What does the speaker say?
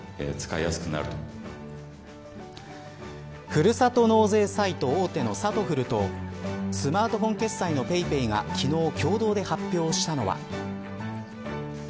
ふるさと納税サイト大手のさとふるとスマートフォン決済のＰａｙＰａｙが昨日、共同で発表したのは。